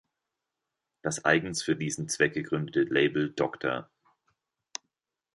Das eigens für diesen Zweck gegründete Label „Dr.